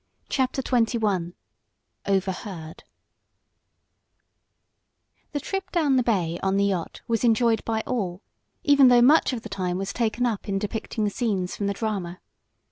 CHAPTER XXI OVERHEARD The trip down the bay on the yacht was enjoyed by all, even though much of the time was taken up in depicting scenes from the drama.